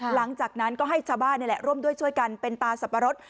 หลังจากนั้นก็ให้ชาวบ้านนี่แหละร่วมด้วยช่วยกันเป็นตาสับปะรด